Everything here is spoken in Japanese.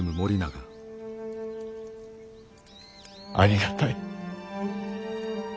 ありがたい。